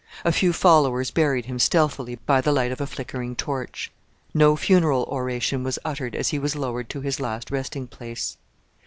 A few followers buried him stealthily by the light of a flickering torch. No funeral oration was uttered as he was lowered to his last resting place.